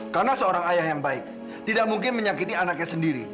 karena seorang ayah yang baik tidak mungkin menyakiti anaknya sendiri